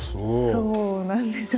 そうなんです。